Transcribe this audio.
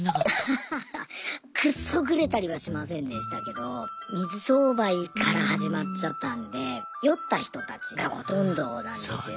アハハハッくっそグレたりはしませんでしたけど水商売から始まっちゃったんで酔った人たちがほとんどなんですよね。